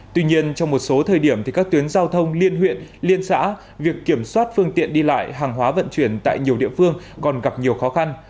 tuy nhiên trong một số thời điểm các tuyến giao thông liên huyện liên xã việc kiểm soát phương tiện đi lại hàng hóa vận chuyển tại nhiều địa phương còn gặp nhiều khó khăn